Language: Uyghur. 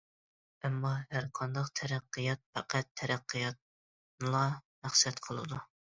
ئەمما، ھەرقانداق تەرەققىيات پەقەت تەرەققىياتنىلا مەقسەت قىلىدۇ.